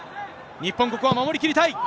日本、ここは守りきりたい。